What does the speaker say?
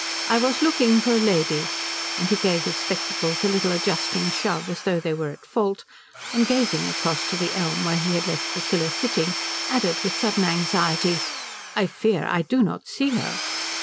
I was looking for a lady, and" he gave his spectacles a little adjusting shove as though they were in fault, and gazing across to the elm where he had left Priscilla sitting added with sudden anxiety "I fear I do not see her."